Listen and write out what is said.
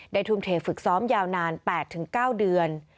ทุ่มเทฝึกซ้อมยาวนาน๘๙เดือน